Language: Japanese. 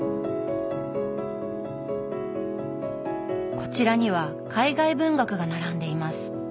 こちらには海外文学が並んでいます。